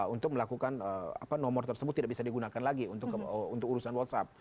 untuk melakukan nomor tersebut tidak bisa digunakan lagi untuk urusan whatsapp